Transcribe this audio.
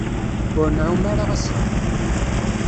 Ur nɛum ara ass-a.